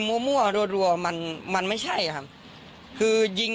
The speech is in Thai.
เป็นบุถุหรือรู้